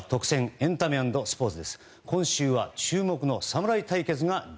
エンタメ＆スポーツ。